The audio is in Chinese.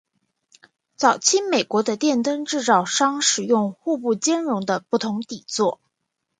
早期美国的电灯制造商使用互不兼容的不同底座。